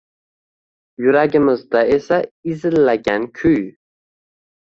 Yuragimda esa izillagan kuy